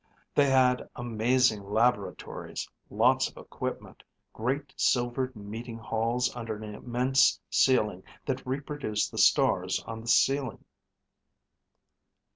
They had amazing laboratories, lots of equipment, great silvered meeting halls under an immense ceiling that reproduced the stars on the ceiling.